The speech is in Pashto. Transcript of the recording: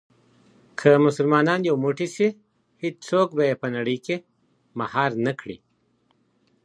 که مسلمانان یو موټی سي هیڅوک به يې په نړۍ کي مهار نه کړي.